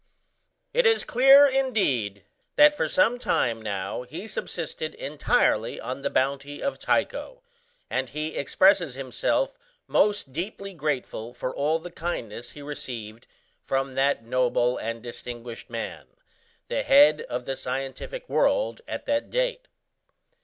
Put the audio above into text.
It is clear, indeed, that for some time now he subsisted entirely on the bounty of Tycho, and he expresses himself most deeply grateful for all the kindness he received from that noble and distinguished man, the head of the scientific world at that date.